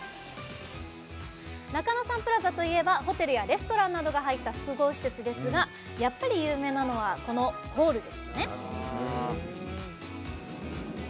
中野サンプラザといえばホテルやレストランなどが入った複合施設ですがやっぱり有名なのはこのホールですよね。